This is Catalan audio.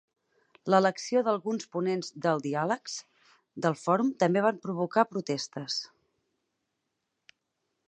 L'elecció d'alguns ponents del "diàlegs" del fòrum també van provocar protestes.